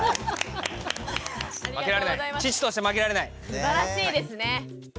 すばらしいですね。